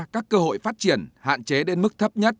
các cơ hội phát triển hạn chế đến mức thấp nhất